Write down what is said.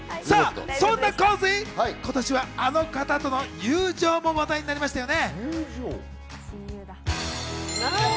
そんな浩次、今年はあの方との友情も話題になりましたよね。